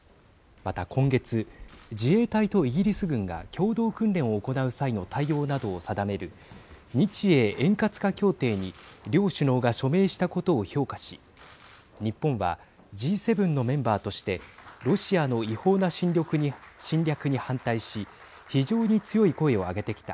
また今月、自衛隊とイギリス軍が共同訓練を行う際の対応などを定める日英円滑化協定に両首脳が署名したことを評価し日本はＧ７のメンバーとしてロシアの違法な侵略に反対し非常に強い声を上げてきた。